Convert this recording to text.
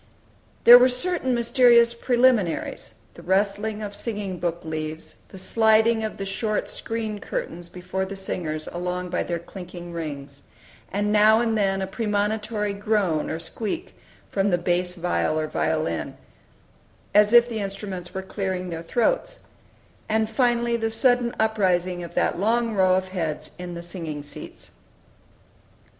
There were certain mysterious preliminaries, the rustling of singing book leaves, the sliding of the short screen curtains before the singers along by their clinking rings, and now and then a premonitory groan or squeak from bass viol or violin, as if the instruments were clearing their throats; and finally the sudden uprising of that long row of heads in the "singing seats."